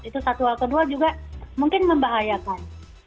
itu satu hal kedua juga mungkin membahayakan